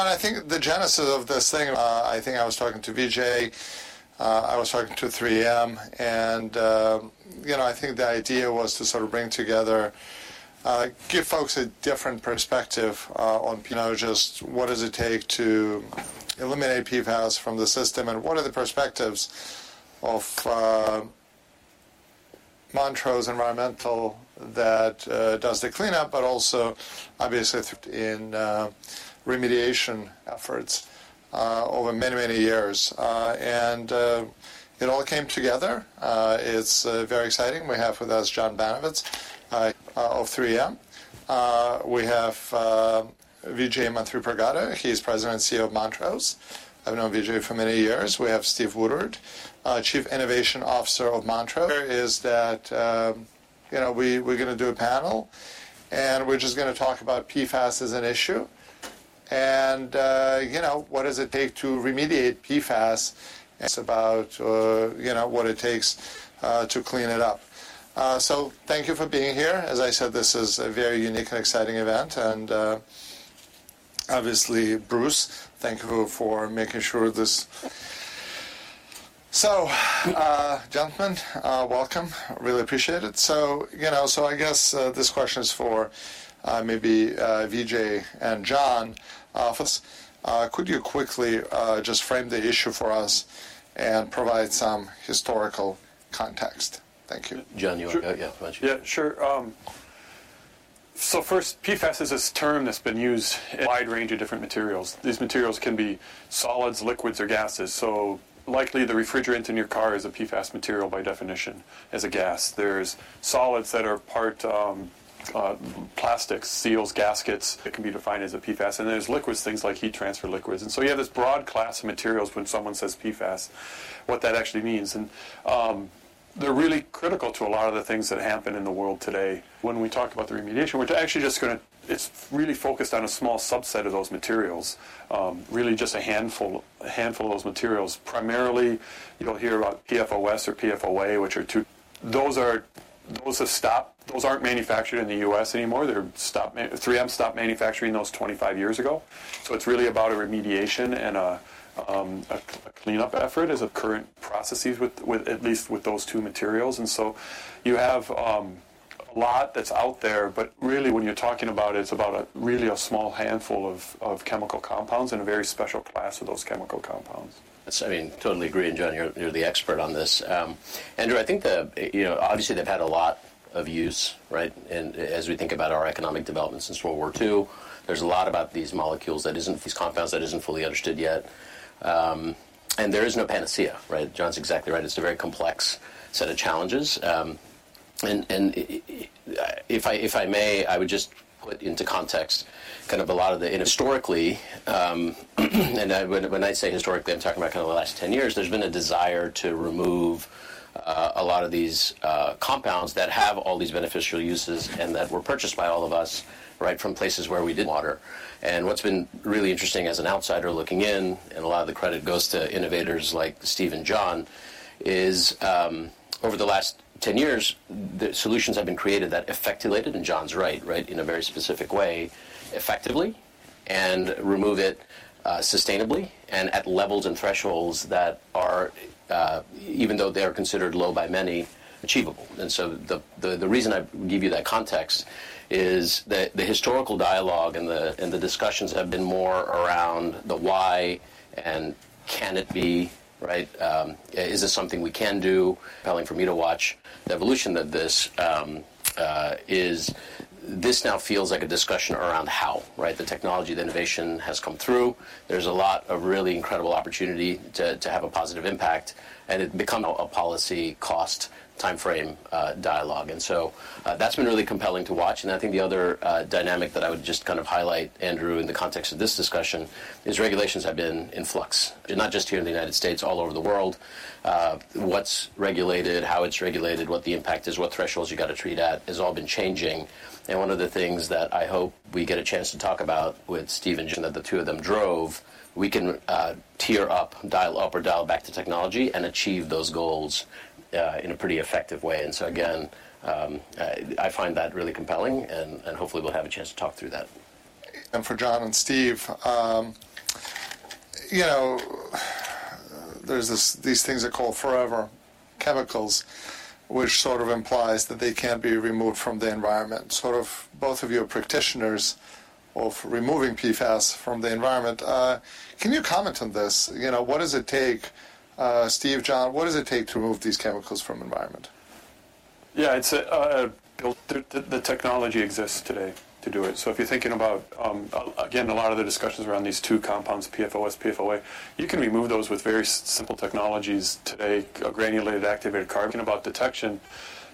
I think the genesis of this thing. I think I was talking to Vijay. I was talking to 3M, and, you know, I think the idea was to sort of bring together, give folks a different perspective, on, you know, just what does it take to eliminate PFAS from the system, and what are the perspectives of, Montrose Environmental that, does the cleanup, but also obviously in, remediation efforts, over many, many years. It all came together. It's very exciting. We have with us John Banovetz of 3M. We have Vijay Manthripragada. He's President and CEO of Montrose. I've known Vijay for many years. We have Steve Woodard, Chief Innovation Officer of Montrose. You know, we're gonna do a panel, and we're just gonna talk about PFAS as an issue, and, you know, what does it take to remediate PFAS? It's about, you know, what it takes to clean it up. So thank you for being here. As I said, this is a very unique and exciting event, and, obviously, Bruce, thank you for making sure this. So, gentlemen, welcome. Really appreciate it. So, you know, so I guess, this question is for, maybe, Vijay and John. For us, could you quickly, just frame the issue for us and provide some historical context? Thank you. John, you want Sure. Yeah, why don't you- Yeah, sure. So first, PFAS is this term that's been used—a wide range of different materials. These materials can be solids, liquids, or gases, so likely the refrigerant in your car is a PFAS material by definition, as a gas. There's solids that are part, plastics, seals, gaskets, that can be defined as a PFAS. And there's liquids, things like heat transfer liquids. And so you have this broad class of materials when someone says PFAS, what that actually means, and they're really critical to a lot of the things that happen in the world today. When we talk about the remediation, we're actually just gonna. It's really focused on a small subset of those materials, really just a handful, a handful of those materials. Primarily, you'll hear about PFOS or PFOA, which are two. Those are those have stopped. Those aren't manufactured in the US anymore. 3M stopped manufacturing those 25 years ago, so it's really about a remediation and a cleanup effort as of current processes with at least with those two materials. And so you have a lot that's out there, but really when you're talking about it, it's about a really small handful of chemical compounds and a very special class of those chemical compounds. Yes, I mean, totally agree, and John, you're the expert on this. Andrew, I think the, you know, obviously, they've had a lot of use, right? And as we think about our economic development since World War II, there's a lot about these molecules that isn't... These compounds that isn't fully understood yet. And there is no panacea, right? John's exactly right. It's a very complex set of challenges. And if I may, I would just put into context kind of a lot of the... And historically, and I, when I say historically, I'm talking about kind of the last 10 years, there's been a desire to remove a lot of these compounds that have all these beneficial uses and that were purchased by all of us, right, from places where we did water. And what's been really interesting as an outsider looking in, and a lot of the credit goes to innovators like Steve and John, is, over the last 10 years, the solutions have been created that facilitated, and John's right, right, in a very specific way, effectively, and remove it, sustainably and at levels and thresholds that are, even though they are considered low by many, achievable. And so the reason I give you that context is the historical dialogue and the discussions have been more around the why and can it be, right, is this something we can do? Compelling for me to watch. The evolution of this is; this now feels like a discussion around how, right? The technology, the innovation has come through. There's a lot of really incredible opportunity to have a positive impact, and it become a policy, cost, timeframe dialogue. And so, that's been really compelling to watch, and I think the other dynamic that I would just kind of highlight, Andrew, in the context of this discussion, is regulations have been in flux. And not just here in the United States, all over the world, what's regulated, how it's regulated, what the impact is, what thresholds you've got to treat at has all been changing. And one of the things that I hope we get a chance to talk about with Steve and John, that the two of them drove, we can tier up, dial up or dial back to technology and achieve those goals in a pretty effective way. And so again, I find that really compelling, and hopefully we'll have a chance to talk through that. For John and Steve, you know, there's this, these things they call forever chemicals, which sort of implies that they can't be removed from the environment. Sort of both of you are practitioners of removing PFAS from the environment. Can you comment on this? You know, what does it take, Steve, John, what does it take to remove these chemicals from the environment? Yeah, it's built, the technology exists today to do it. So if you're thinking about, again, a lot of the discussions around these two compounds, PFOS, PFOA, you can remove those with very simple technologies today, a granulated activated carbon. About detection,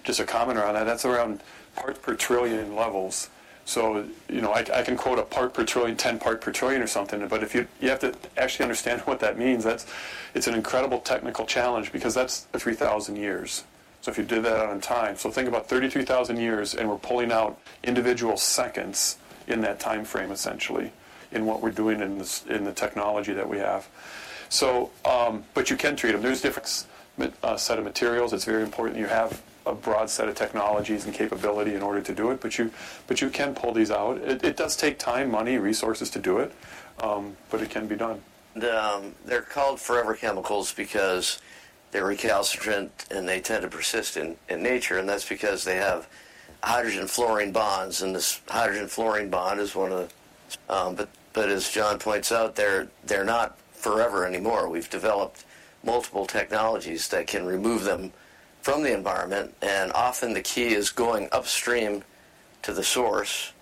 just a comment around that, that's around part per trillion levels. So you know, I can quote a part per trillion, 10 part per trillion or something, but if you... You have to actually understand what that means. That's- it's an incredible technical challenge because that's for 3,000 years so if you did that on time, so think about 32,000 years, and we're pulling out individual seconds in that time frame, essentially, in what we're doing in this, in the technology that we have. So, but you can treat them. There's different set of materials. It's very important you have a broad set of technologies and capability in order to do it, but you, but you can pull these out. It does take time, money, resources to do it, but it can be done. They're called forever chemicals because they're recalcitrant, and they tend to persist in nature, and that's because they have hydrogen-fluorine bonds, and this hydrogen-fluorine bond is one of the... But as John points out, they're not forever anymore. We've developed multiple technologies that can remove them from the environment, and often the key is going upstream to the source.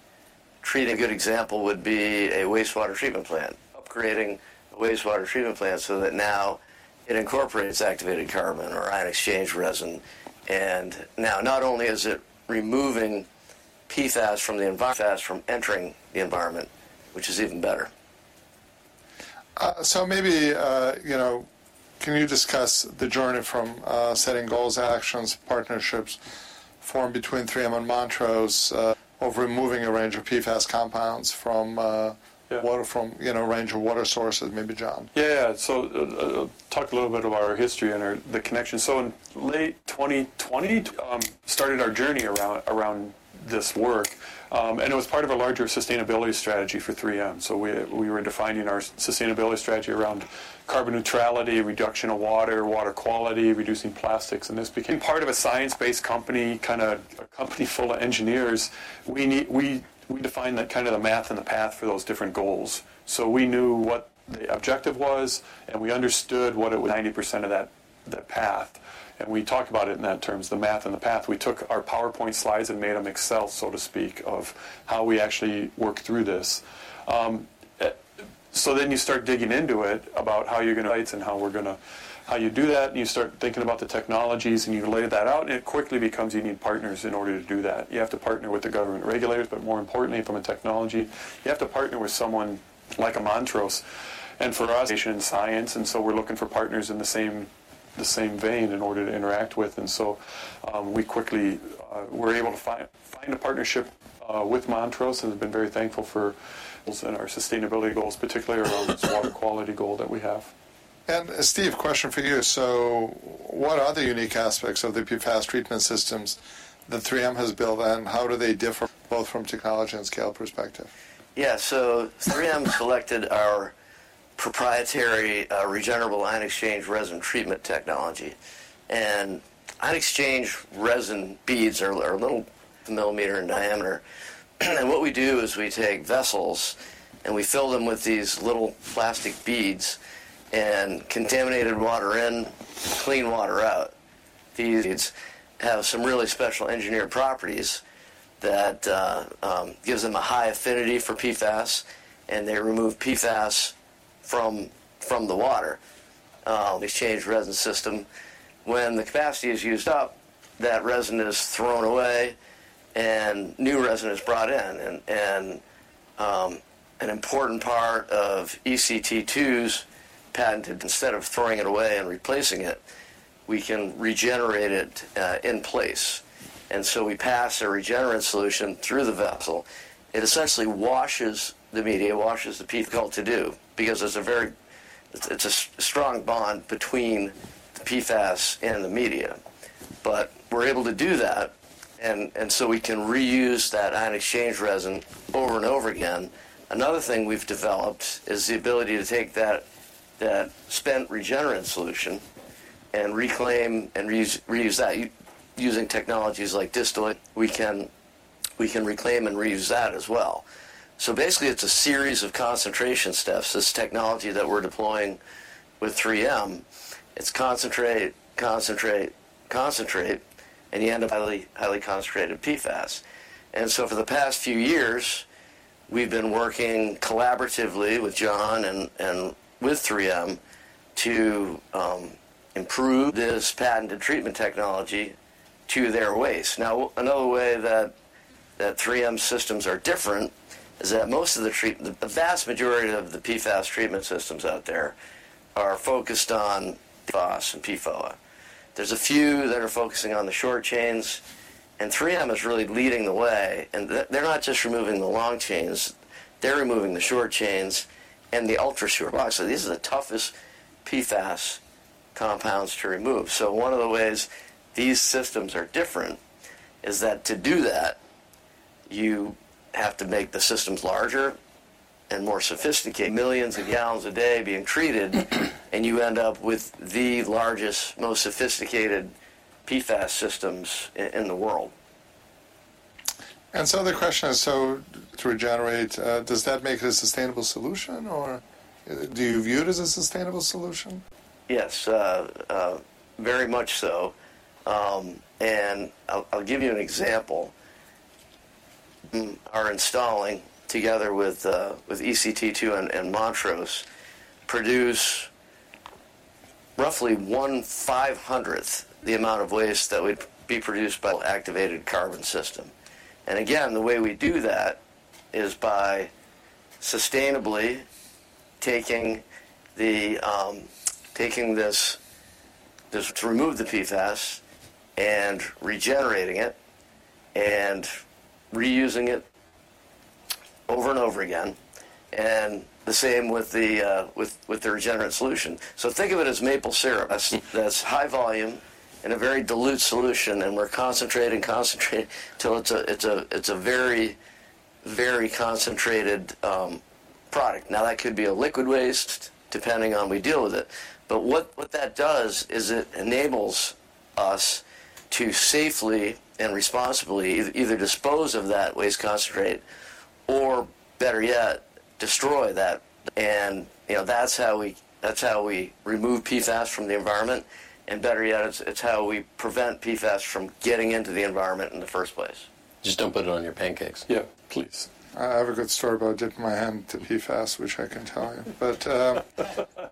Take a good example would be a wastewater treatment plant, upgrading the wastewater treatment plant so that now it incorporates activated carbon or ion exchange resin, and now not only is it removing PFAS from entering the environment, which is even better. So maybe, you know, can you discuss the journey from setting goals, actions, partnerships formed between 3M and Montrose, of removing a range of PFAS compounds from? Yeah water from, you know, a range of water sources, maybe, John? Yeah, yeah. So, talk a little bit about our history and our, the connection. So in late 2020, started our journey around, around this work, and it was part of a larger sustainability strategy for 3M. So we, we were defining our sustainability strategy around carbon neutrality, reduction of water, water quality, reducing plastics, and this became part of a science-based company, kind of a company full of engineers. We, we defined the kind of the math and the path for those different goals. So we knew what the objective was, and we understood what it was, 90% of that, that path, and we talked about it in that terms, the math and the path. We took our PowerPoint slides and made them Excel, so to speak, of how we actually work through this. So then you start digging into it about how you're gonna do that, and you start thinking about the technologies, and you lay that out, and it quickly becomes you need partners in order to do that. You have to partner with the government regulators, but more importantly, from a technology, you have to partner with someone like a Montrose. And for us, innovation and science, and so we're looking for partners in the same, the same vein in order to interact with. And so, we quickly were able to find, find a partnership with Montrose and have been very thankful for... and our sustainability goals, particularly around this water quality goal that we have. Steve, question for you. What are the unique aspects of the PFAS treatment systems that 3M has built, and how do they differ, both from technology and scale perspective? Yeah, so 3M selected our proprietary regenerable ion exchange resin treatment technology. And ion exchange resin beads are little millimeter in diameter, and what we do is we take vessels, and we fill them with these little plastic beads and contaminated water in, clean water out. These beads have some really special engineered properties that gives them a high affinity for PFAS, and they remove PFAS from the water, the exchange resin system. When the capacity is used up, that resin is thrown away, and new resin is brought in. And an important part of ECT2's patented, instead of throwing it away and replacing it, we can regenerate it in place. And so we pass a regenerate solution through the vessel. It essentially washes the media, washes the PFAS. Difficult to do because there's a very... It's a strong bond between the PFAS and the media. But we're able to do that, and so we can reuse that ion exchange resin over and over again. Another thing we've developed is the ability to take that spent regenerant solution and reclaim and reuse that. Using technologies like distillation, we can reclaim and reuse that as well. So basically, it's a series of concentration steps. This technology that we're deploying with 3M, it's concentrate, concentrate, concentrate, and you end up highly, highly concentrated PFAS. And so for the past few years, we've been working collaboratively with John and with 3M to improve this patented treatment technology to their waste. Now, another way that 3M systems are different is that most of the vast majority of the PFAS treatment systems out there are focused on PFOS and PFOA. There's a few that are focusing on the short chains, and 3M is really leading the way, and they're not just removing the long chains, they're removing the short chains and the ultra-short chains. So these are the toughest PFAS compounds to remove. So one of the ways these systems are different is that to do that, you have to make the systems larger and more sophisticated. Millions of gallons a day being treated, and you end up with the largest, most sophisticated PFAS systems in the world. And so the question is, so to regenerate, does that make it a sustainable solution, or do you view it as a sustainable solution? Yes, very much so. And I'll give you an example. We are installing together with ECT2 and Montrose, produce roughly 1/500th the amount of waste that would be produced by activated carbon system. And again, the way we do that is by taking this to remove the PFAS and regenerating it and reusing it over and over again, and the same with the regenerate solution. So think of it as maple syrup. That's high volume and a very dilute solution, and we're concentrating till it's a very, very concentrated product. Now, that could be a liquid waste, depending on we deal with it. But what that does is it enables us to safely and responsibly either dispose of that waste concentrate, or better yet, destroy that. And, you know, that's how we, that's how we remove PFAS from the environment, and better yet, it's, it's how we prevent PFAS from getting into the environment in the first place. Just don't put it on your pancakes. Yeah, please. I have a good story about dipping my hand to PFAS, which I can tell you. But,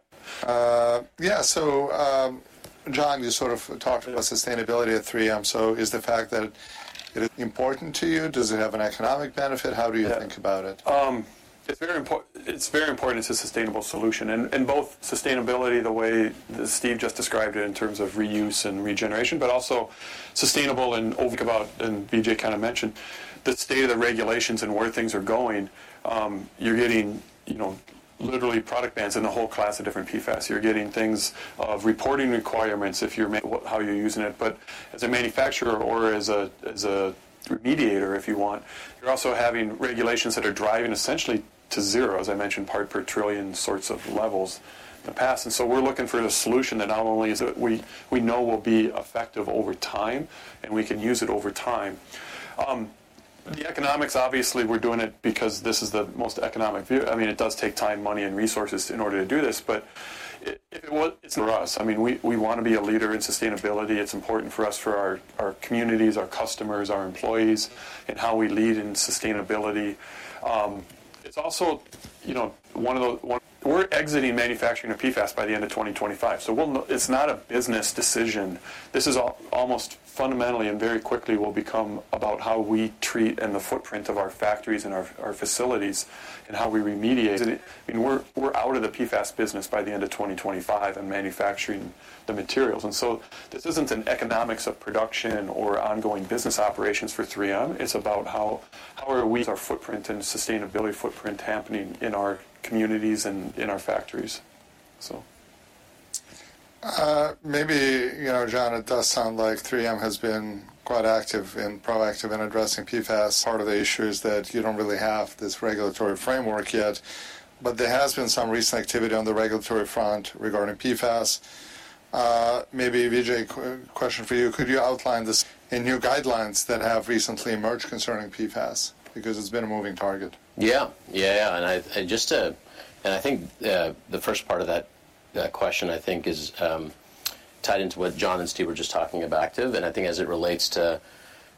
yeah, John, you sort of talked about sustainability at 3M. Is the fact that it is important to you? Does it have an economic benefit? Yeah. How do you think about it? It's very important it's a sustainable solution. And both sustainability, the way Steve just described it in terms of reuse and regeneration, but also sustainable and overthink about, and Vijay kinda mentioned, the state of the regulations and where things are going, you're getting, you know, literally product bans in the whole class of different PFAS. You're getting things of reporting requirements if you're manufacturing, what, how you're using it. But as a manufacturer or as a remediator, if you want, you're also having regulations that are driving essentially to zero, as I mentioned, part per trillion sorts of levels in the past. And so we're looking for a solution that not only is it, we know will be effective over time, and we can use it over time. The economics, obviously, we're doing it because this is the most economic view. I mean, it does take time, money, and resources in order to do this, but well, it's for us. I mean, we, we wanna be a leader in sustainability. It's important for us, for our, our communities, our customers, our employees, and how we lead in sustainability. It's also, you know, one of the... We're exiting manufacturing of PFAS by the end of 2025, so it's not a business decision. This is almost fundamentally and very quickly will become about how we treat and the footprint of our factories and our, our facilities and how we remediate. And we're, we're out of the PFAS business by the end of 2025 and manufacturing the materials. And so this isn't an economics of production or ongoing business operations for 3M. It's about how our footprint and sustainability footprint are happening in our communities and in our factories. So. Maybe, you know, John, it does sound like 3M has been quite active and proactive in addressing PFAS. Part of the issue is that you don't really have this regulatory framework yet, but there has been some recent activity on the regulatory front regarding PFAS. Maybe, Vijay, question for you: Could you outline this in new guidelines that have recently emerged concerning PFAS? Because it's been a moving target. Yeah. Yeah, and I, and just to... And I think the first part of that question, I think, is tied into what John and Steve were just talking about active. And I think as it relates to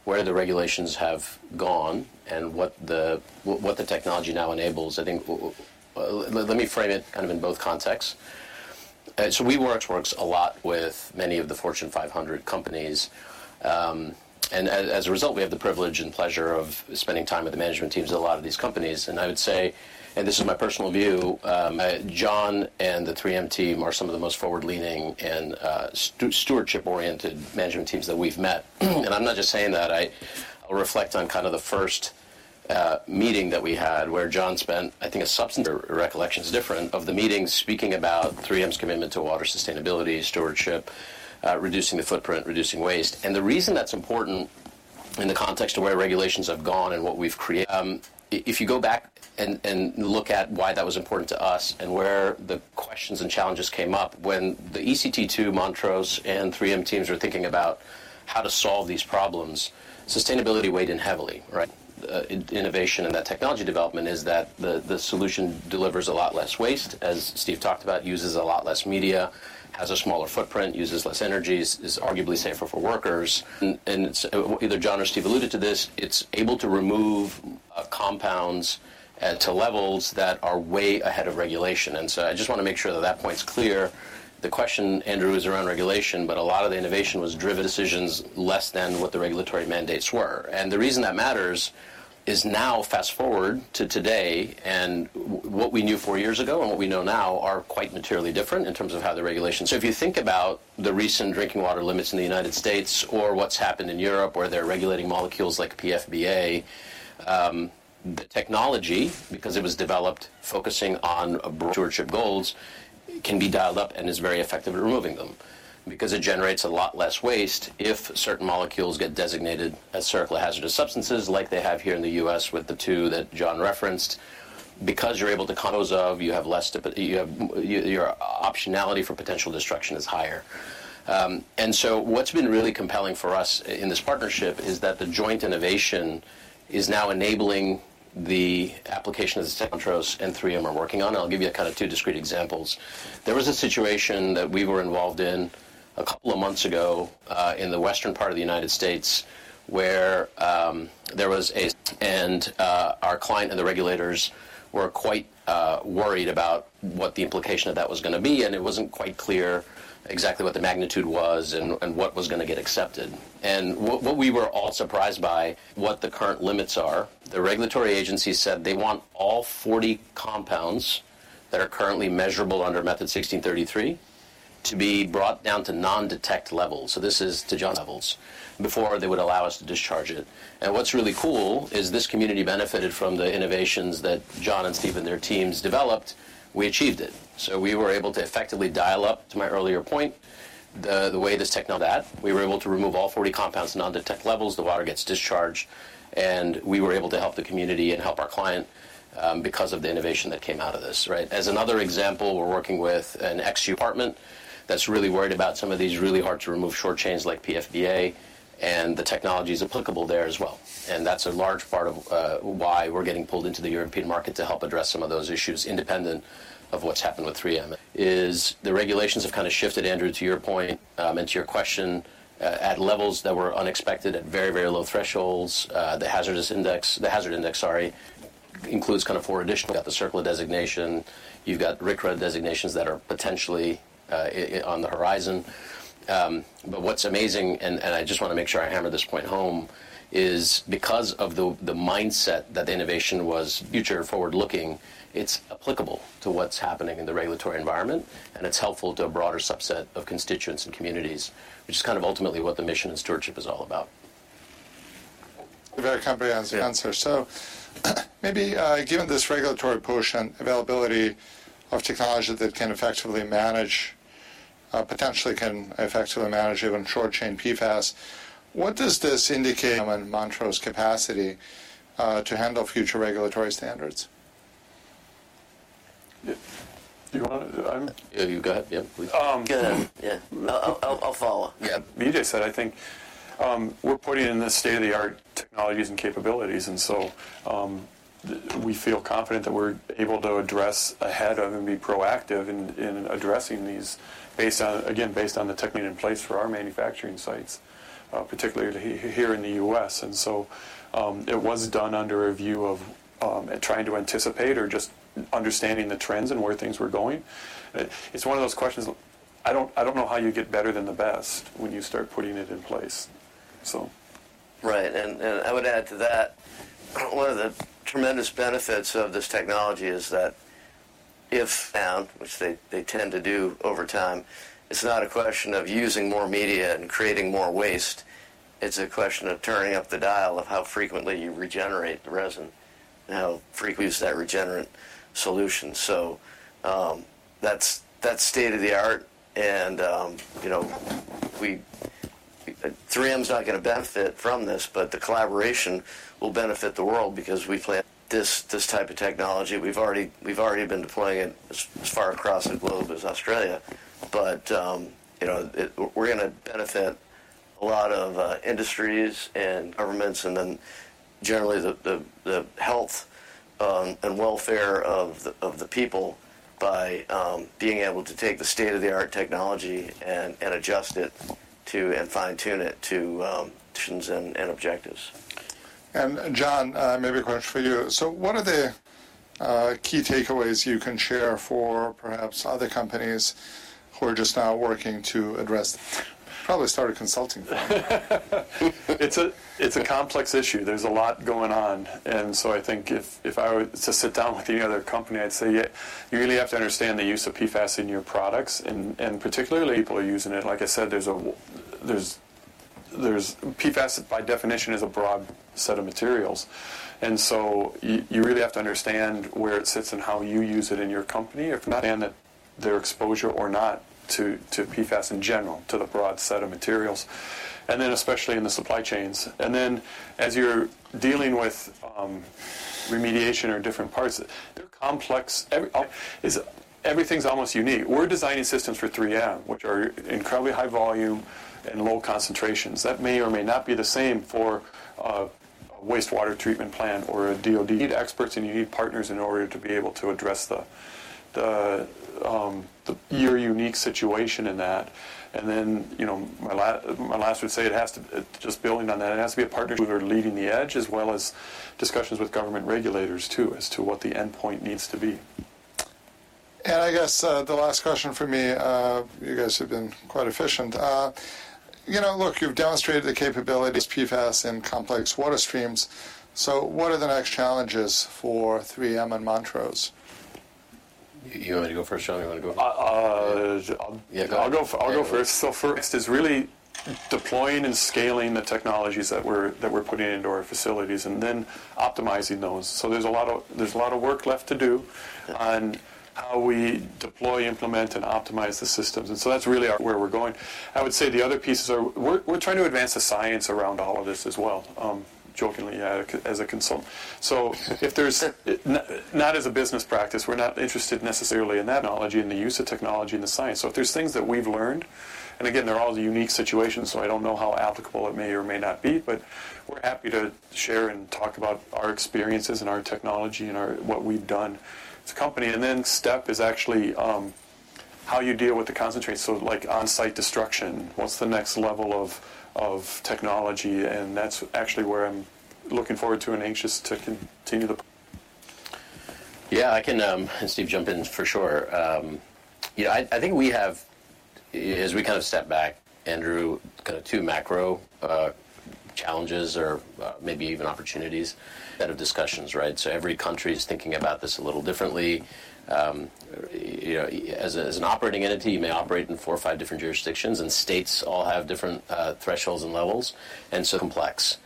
where the regulations have gone and what the technology now enables, I think let me frame it kind of in both contexts. So we work a lot with many of the Fortune 500 companies, and as a result, we have the privilege and pleasure of spending time with the management teams of a lot of these companies. And I would say, and this is my personal view, John and the 3M team are some of the most forward-leaning and stewardship-oriented management teams that we've met. And I'm not just saying that. I'll reflect on kind of the first meeting that we had, where John spent, I think, a substantial recollection is different, of the meeting, speaking about 3M's commitment to water sustainability, stewardship, reducing the footprint, reducing waste. And the reason that's important in the context of where regulations have gone and what we've created, if you go back and, and look at why that was important to us and where the questions and challenges came up, when the ECT2, Montrose, and 3M teams were thinking about how to solve these problems, sustainability weighed in heavily, right? Innovation and that technology development is that the, the solution delivers a lot less waste, as Steve talked about, uses a lot less media, has a smaller footprint, uses less energies, is arguably safer for workers. And, and it's... Either John or Steve alluded to this. It's able to remove compounds to levels that are way ahead of regulation. And so I just wanna make sure that that point's clear. The question, Andrew, is around regulation, but a lot of the innovation was driven decisions less than what the regulatory mandates were. And the reason that matters is now fast-forward to today, and what we knew four years ago and what we know now are quite materially different in terms of how the regulations... So if you think about the recent drinking water limits in the United States or what's happened in Europe, where they're regulating molecules like PFBA, the technology, because it was developed focusing on broader stewardship goals, can be dialed up and is very effective at removing them. Because it generates a lot less waste if certain molecules get designated as CERCLA hazardous substances, like they have here in the U.S. with the two that John referenced. Because you're able to dispose of, you have less, your optionality for potential destruction is higher. And so what's been really compelling for us in this partnership is that the joint innovation is now enabling the application that the Montrose and 3M are working on, and I'll give you kind of two discrete examples. There was a situation that we were involved in a couple of months ago in the western part of the United States, where our client and the regulators were quite worried about what the implication of that was gonna be, and it wasn't quite clear exactly what the magnitude was and what was gonna get accepted. And what we were all surprised by, what the current limits are. The regulatory agency said they want all 40 compounds that are currently measurable under Method 1633 to be brought down to non-detect levels. So this is to ppt levels, before they would allow us to discharge it. And what's really cool is this community benefited from the innovations that John and Steve and their teams developed. We achieved it. So we were able to effectively dial up, to my earlier point, the way this tech now that we were able to remove all 40 compounds to non-detect levels, the water gets discharged, and we were able to help the community and help our client because of the innovation that came out of this, right? As another example, we're working with an Ag department that's really worried about some of these really hard to remove short chains like PFBA, and the technology is applicable there as well. And that's a large part of why we're getting pulled into the European market to help address some of those issues, independent of what's happened with 3M, is the regulations have kind of shifted, Andrew, to your point, and to your question, at levels that were unexpected at very, very low thresholds. The hazard index, sorry, includes kind of four additional. You got the CERCLA designation, you've got RCRA designations that are potentially on the horizon. But what's amazing, and, and I just wanna make sure I hammer this point home, is because of the mindset that the innovation was future forward-looking, it's applicable to what's happening in the regulatory environment, and it's helpful to a broader subset of constituents and communities, which is kind of ultimately what the mission and stewardship is all about. Very comprehensive answer. Yeah. So maybe, given this regulatory push and availability of technology that can effectively manage, potentially can effectively manage even short-chain PFAS, what does this indicate in Montrose capacity, to handle future regulatory standards? Yeah. Do you wanna. Yeah, you got it. Yeah, please. Go ahead. Yeah. I'll follow. Yeah. As Vijay said, I think, we're putting in the state-of-the-art technologies and capabilities, and so, we feel confident that we're able to address ahead of and be proactive in addressing these based on, again, based on the technique in place for our manufacturing sites, particularly here in the US. And so, it was done under a view of trying to anticipate or just understanding the trends and where things were going. It's one of those questions, I don't know how you get better than the best when you start putting it in place, so. Right, and I would add to that, one of the tremendous benefits of this technology is that if found, which they tend to do over time, it's not a question of using more media and creating more waste, it's a question of turning up the dial of how frequently you regenerate the resin and how frequently use that regenerant solution. So, that's state-of-the-art, and you know, 3M's not gonna benefit from this, but the collaboration will benefit the world because we plan this type of technology, we've already been deploying it as far across the globe as Australia. But you know, it. We're gonna benefit a lot of industries and governments, and then generally, the health and welfare of the people by being able to take the state-of-the-art technology and adjust it to, and fine-tune it to solutions and objectives. John, maybe a question for you. What are the key takeaways you can share for perhaps other companies who are just now working to address? Probably start a consulting firm. It's a complex issue. There's a lot going on, and so I think if I were to sit down with any other company, I'd say: Yeah, you really have to understand the use of PFAS in your products, and particularly people are using it. Like I said, there's PFAS, by definition, is a broad set of materials, and so you really have to understand where it sits and how you use it in your company. If not, understand that their exposure or not to PFAS in general, to the broad set of materials, and then especially in the supply chains. And then, as you're dealing with remediation or different parts, they're complex. Everything's almost unique. We're designing systems for 3M, which are incredibly high volume and low concentrations. That may or may not be the same for a wastewater treatment plant or a DoD. You need experts, and you need partners in order to be able to address your unique situation in that. And then, you know, my last would say it has to just building on that, it has to be a partner who are leading the edge, as well as discussions with government regulators, too, as to what the endpoint needs to be. I guess, the last question from me, you guys have been quite efficient. You know, look, you've demonstrated the capabilities, PFAS and complex water streams, so what are the next challenges for 3M and Montrose? You want me to go first, John? You wanna go? Yeah, go ahead. I'll go, I'll go first. So first is really deploying and scaling the technologies that we're, that we're putting into our facilities and then optimizing those. So there's a lot of, there's a lot of work left to do- Yeah on how we deploy, implement, and optimize the systems, and so that's really where we're going. I would say the other pieces are we're trying to advance the science around all of this as well, jokingly as a consultant. Not as a business practice, we're not interested necessarily in that knowledge and the use of technology and the science. So if there's things that we've learned, and again, they're all unique situations, so I don't know how applicable it may or may not be, but we're happy to share and talk about our experiences and our technology and our what we've done as a company. And then step is actually how you deal with the concentrates, so like on-site destruction, what's the next level of technology? That's actually where I'm looking forward to and anxious to continue the... Yeah, I can, and Steve, jump in for sure. Yeah, I think we have, as we kind of step back, Andrew, kind of two macro, challenges or, maybe even opportunities that have discussions, right? So every country is thinking about this a little differently. You know, as a, as an operating entity, you may operate in four or five different jurisdictions, and states all have different, thresholds and levels, and so complex.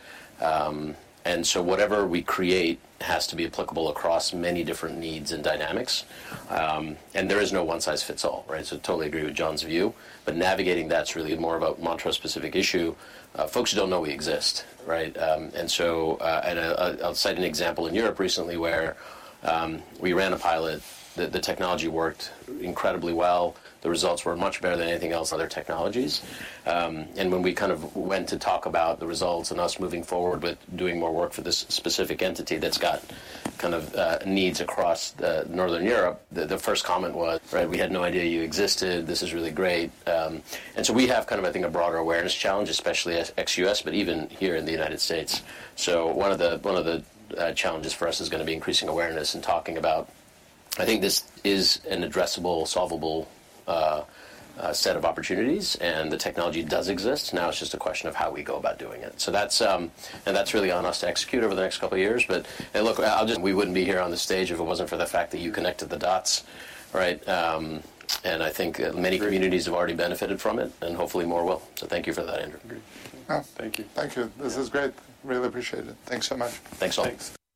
And so whatever we create has to be applicable across many different needs and dynamics. And there is no one-size-fits-all, right? So totally agree with John's view, but navigating that's really more of a Montrose specific issue. Folks don't know we exist, right? And so, and I'll cite an example in Europe recently, where, we ran a pilot, the technology worked incredibly well. The results were much better than anything else, other technologies. And when we kind of went to talk about the results and us moving forward with doing more work for this specific entity, that's got kind of, needs across, Northern Europe, the first comment was: "Right, we had no idea you existed. This is really great." And so we have kind of, I think, a broader awareness challenge, especially ex-US, but even here in the United States. So one of the challenges for us is gonna be increasing awareness and talking about. I think this is an addressable, solvable, set of opportunities, and the technology does exist. Now, it's just a question of how we go about doing it. So that's, and that's really on us to execute over the next couple of years. We wouldn't be here on the stage if it wasn't for the fact that you connected the dots, right? I think many communities have already benefited from it, and hopefully, more will. Thank you for that, Andrew. Agreed. Well- Thank you. Thank you. This is great. Really appreciate it. Thanks so much. Thanks all. Thanks.